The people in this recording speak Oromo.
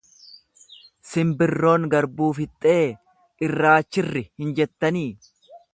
Simbirroon garbuu fixxee irraa chirri hin jettanii?